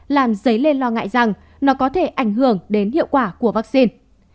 làm dấy lên lo ngại rằng nó có thể ảnh hưởng đến hiệu quả của vaccine